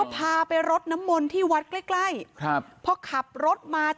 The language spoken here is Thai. พาไปรดน้ำมนต์ที่วัดใกล้ใกล้ครับพอขับรถมา